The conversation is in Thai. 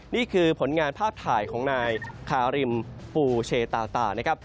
นี่คือผลงานภาพถ่ายของนายคาริมปูเชตาตานะครับ